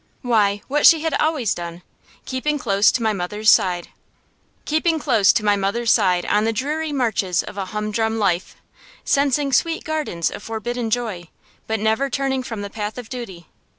Why, what she had always done: keeping close to my mother's side on the dreary marches of a humdrum life; sensing sweet gardens of forbidden joy, but never turning from the path of duty.